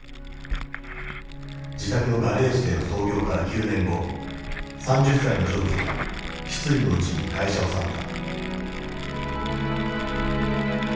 自宅のガレージでの創業から９年後３０歳のジョブズは失意のうちに会社を去った。